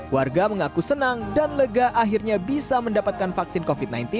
warga mengaku senang dan lega akhirnya bisa mendapatkan vaksin covid sembilan belas